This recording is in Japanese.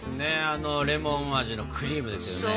あのレモン味のクリームですよね。